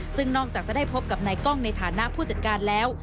ซึ่งนอกจากจะได้พบกับนายกล้องในฐานะผู้จัดการแล้ว